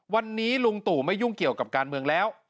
วันนี้ลุงตู่ไม่ยุ่งเกี่ยวกับการเมืองแล้ว